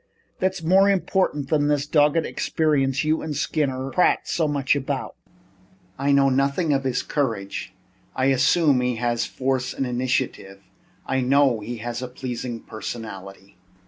"That's more important than this doggoned experience you and Skinner prate so much about." "I know nothing of his courage. I assume that he has force and initiative. I know he has a pleasing personality."